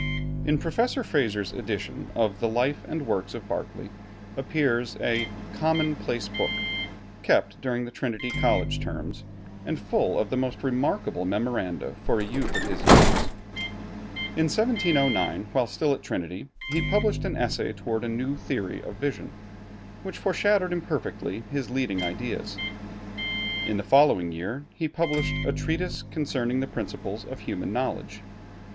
In Professor Fraser's edition of the 'Life and Works of Berkeley' appears a 'Common Place Book,' kept during the Trinity College terms, and full of most remarkable memoranda for a youth of his years. In 1709, while still at Trinity, he published an 'Essay toward a New Theory of Vision,' which foreshadowed imperfectly his leading ideas. In the following year he published a 'Treatise concerning the Principles of Human Knowledge.'